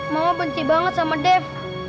mama benci banget sama dev